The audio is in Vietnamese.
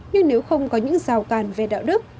nhưng nếu không có những rào càn về đạo đức